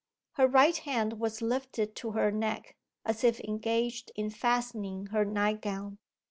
Her right hand was lifted to her neck, as if engaged in fastening her night gown.